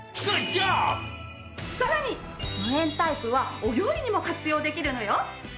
さらに無塩タイプはお料理にも活用できるのよ。